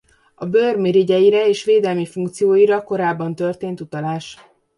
A bőr mirigyeire és védelmi funkcióira korábban történt utalás.